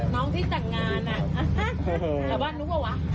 น้องที่ต่างงานแต่ว่านู้นว่ะ